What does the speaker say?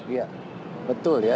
iya betul ya